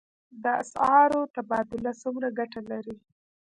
د اسعارو تبادله څومره ګټه لري؟